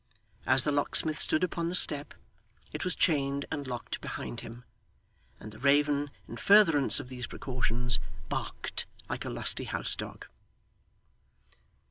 As the locksmith stood upon the step, it was chained and locked behind him, and the raven, in furtherance of these precautions, barked like a lusty house dog.